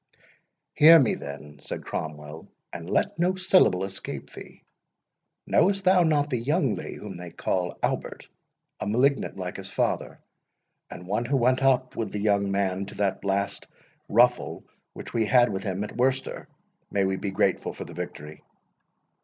"Hear me, then," said Cromwell, "and let no syllable escape thee. Knowest thou not the young Lee, whom they call Albert, a malignant like his father, and one who went up with the young Man to that last ruffle which we had with him at Worcester—May we be grateful for the victory!"